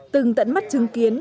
từng tận mắt chứng kiến